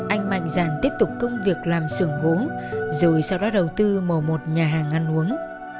anh mạnh dạn tiếp tục công việc làm xưởng gỗ rồi sau đó đầu tư mở một nhà hàng ăn uống